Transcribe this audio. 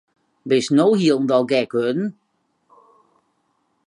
Bist no hielendal gek wurden?